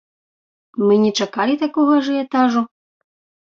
Мы не чакалі такога ажыятажу.